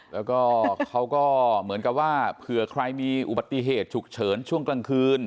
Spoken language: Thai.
แล้วก็เขาก็เหมือนกับว่าเผื่อใครมีอุบัติเหตุฉุกเฉินช่วงกลางคืน